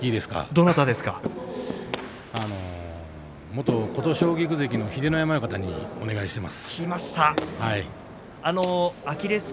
元琴奨菊関の秀ノ山親方にお願いしています。